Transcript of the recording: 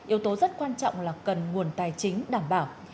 yếu tố rất quan trọng là cần nguồn tài chính đảm bảo